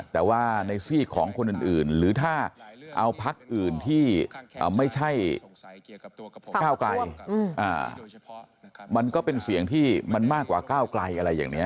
แต่ว่าในซีกของคนอื่นหรือถ้าเอาพักอื่นที่ไม่ใช่ก้าวไกลมันก็เป็นเสียงที่มันมากกว่าก้าวไกลอะไรอย่างนี้